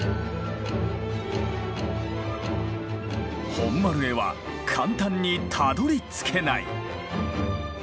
本丸へは簡単にたどりつけない。